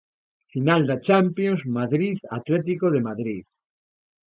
Final da Champións Madrid Atlético de Madrid